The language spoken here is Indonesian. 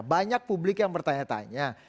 banyak publik yang bertanya tanya